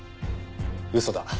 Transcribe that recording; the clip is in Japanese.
嘘だ。